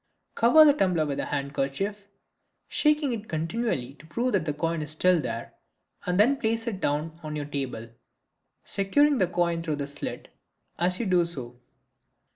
Cover the tumbler with a handkerchief, shaking it continually to prove that the coin is still there, and then place it down on your table, securing the coin through the slit as you do so.